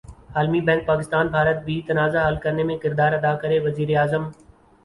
عالمی بینک پاکستان بھارت بی تنازعہ حل کرنے میں کردار ادا کرے وزیراعظم